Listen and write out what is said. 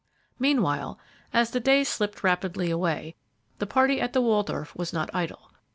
Meanwhile, as the days slipped rapidly away, the party at the Waldorf was not idle.